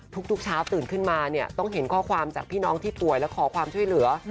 ทุกเช้าตื่นขึ้นมาเนี่ยต้องเห็นข้อความจากพี่น้องที่ป่วยและขอความช่วยเหลือ